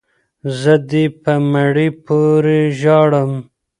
ـ زه دې په مړي پورې ژاړم،